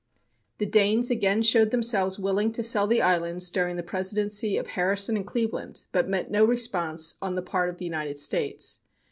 The Danes again showed themselves willing to sell the islands during the presidency of Harrison and Cleveland, but met no response on the part of the United States.